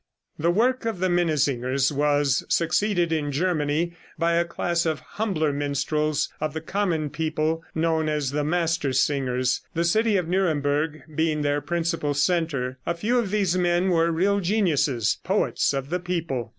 ] The work of the minnesingers was succeeded in Germany by a class of humbler minstrels of the common people, known as the Mastersingers, the city of Nuremberg being their principal center. A few of these men were real geniuses poets of the people.